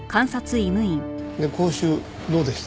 で講習どうでした？